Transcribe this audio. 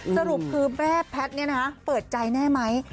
สรุปคือแม่แพทย์เนี่ยนะฮะเปิดใจแน่ไหม